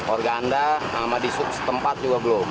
organda sama di setempat juga belum